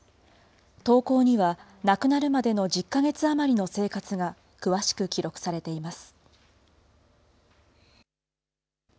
投稿には、亡くなるまでの１０か月余りの生活が詳しく記録されています。